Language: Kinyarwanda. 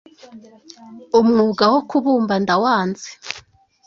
umwuga wo kubumba ndawanze"